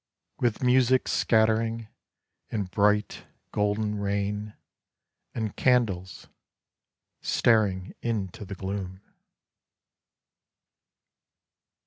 With music scattering in bright golden rain And candles staring into the gloom.